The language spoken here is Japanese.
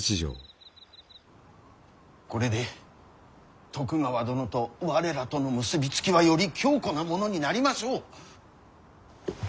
これで徳川殿と我らとの結び付きはより強固なものになりましょう。